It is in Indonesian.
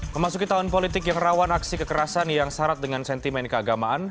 memasuki tahun politik yang rawan aksi kekerasan yang syarat dengan sentimen keagamaan